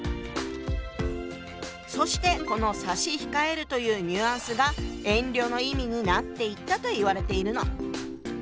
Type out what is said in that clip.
そしてこの「差し控える」というニュアンスが遠慮の意味になっていったといわれているの。